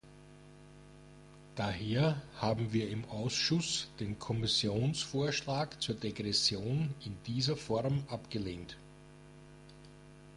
Daher haben wir im Ausschuss den Kommissionsvorschlag zur Degression in dieser Form abgelehnt.